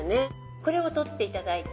これを取っていただいて。